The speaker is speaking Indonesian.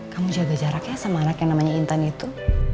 kamu jaga jaraknya sama anak yang namanya intan itu